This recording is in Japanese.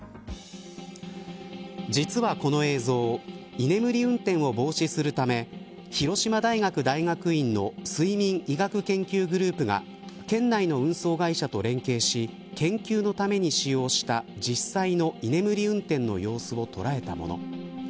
実はこの映像居眠り運転を防止するため広島大学大学院の睡眠医学研究グループが県内の運送会社と連携し研究のために使用した実際の居眠り運転の様子を捉えたもの。